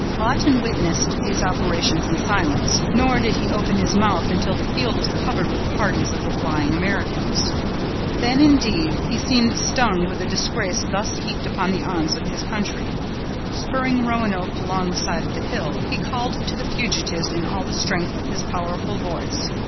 Lawton witnessed these operations in silence, nor did he open his mouth until the field was covered with parties of the flying Americans. Then, indeed, he seemed stung with the disgrace thus heaped upon the arms of his country. Spurring Roanoke along the side of the hill, he called to the fugitives in all the strength of his powerful voice.